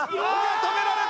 止められた！